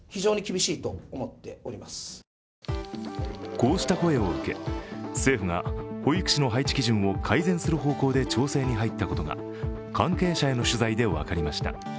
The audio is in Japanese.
こうした声を受け、政府が保育士の配置基準を改善する方向で調整に入ったことが関係者への取材で分かりました。